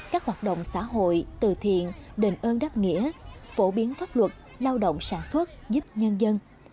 các hoạt động xã hội từ thiện đền ơn đáp nghĩa phổ biến pháp luật lao động sản xuất giúp nhân dân